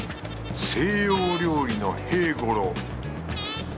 西洋料理の平五郎。